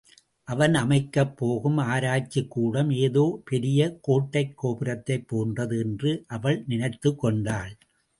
அவன் அமைக்கப் போகும் ஆராய்ச்சிக்கூடம் ஏதோ பெரிய கோட்டைக் கோபுரத்தைப் போன்றது என்று அவள் நினைத்துக் கொண்டாள்.